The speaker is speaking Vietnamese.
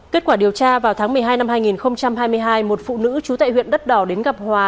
kết quả điều tra vào tháng một mươi hai năm hai nghìn hai mươi hai một phụ nữ trú tại huyện đất đỏ đến gặp hòa